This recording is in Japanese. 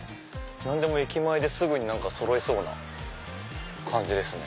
何でも駅前ですぐそろいそうな感じですね。